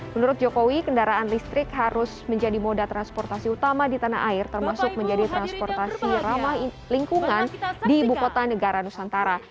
menurut jokowi kendaraan listrik harus menjadi moda transportasi utama di tanah air termasuk menjadi transportasi ramah lingkungan di ibu kota negara nusantara